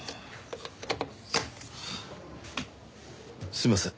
すいません